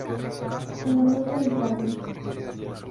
En la puerta del jardín.